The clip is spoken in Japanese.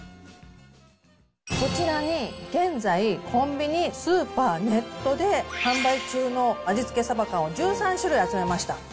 こちらに、現在、コンビニ、スーパー、ネットで販売中の味付けサバ缶を１３種類集めました。